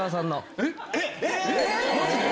マジで？